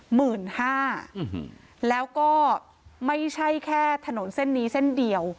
หมื่นห้าแล้วก็ไม่ใช่แค่ถนนเส้นนี้เส้นเดียว